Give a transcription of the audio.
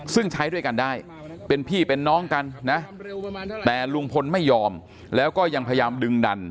ซึ่งใช้ด้วยกันได้เป็นพี่เป็นน้องกันนะแต่ลุงพลไม่ยอมแล้วก็ยังพยายามดึงดัน